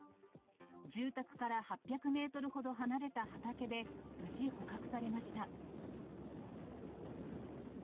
住宅から８００メートルほど離れた畑で、無事捕獲されました。